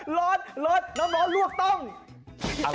ร้อนร้อนน้ำร้อนร่วงต้ม